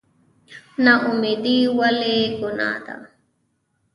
نااميدي ولې ګناه ده؟